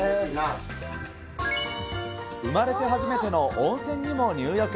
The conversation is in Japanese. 生まれて初めての温泉にも入浴。